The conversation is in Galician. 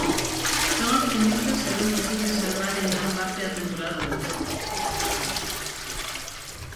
Son optimistas e ven posible salvar en gran parte a temporada de verán.